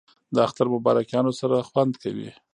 د اختر مبارکیانو سره خوند کوي